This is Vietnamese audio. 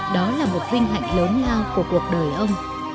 đó là một vinh hạnh lớn lao của cuộc đời ông